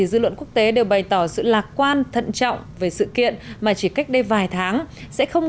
dư luận quốc tế đều bày tỏ sự lạc quan thận trọng về sự kiện mà chỉ cách đây vài tháng sẽ không